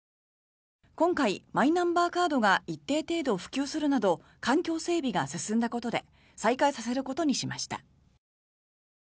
今回、マイナンバーカードが一定程度普及するなど環境整備が進んだことで再開させることにしました。